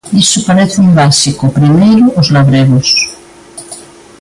Iso paréceme básico, o primeiro os labregos.